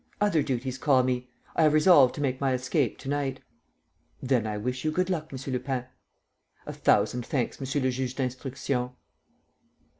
Other duties call me. I have resolved to make my escape to night." "Then I wish you good luck, M. Lupin." "A thousand thanks, M. le Juge d'Instruction."